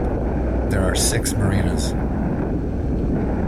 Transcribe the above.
There are six marinas.